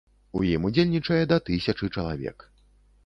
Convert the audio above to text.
У ім удзельнічае да тысячы чалавек.